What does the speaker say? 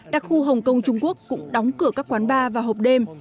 đặc khu hồng kông trung quốc cũng đóng cửa các quán bar và hộp đêm